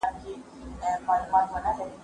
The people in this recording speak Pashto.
زه اوس سبا ته فکر کوم!